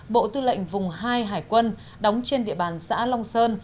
bộ tư lệnh vùng hai hải quân đóng trên địa bàn xã long sơn